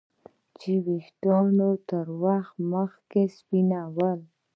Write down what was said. چې د ویښتانو تر وخته مخکې سپینوالی